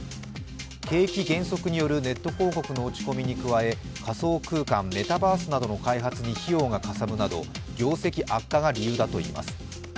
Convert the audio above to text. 景気減速によるネット広告の落ち込みに加え仮想空間メタバースなどの開発に費用がかさむなど業績悪化が理由だといいます。